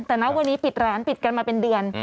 แต่ณวันนี้ปิดร้านปิดกันมาเป็นเดือน